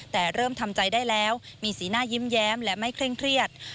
แต่เริ่มทำใจได้แล้วมีสีหน้ายิ้มแย้มและไม่เคร่งเครียด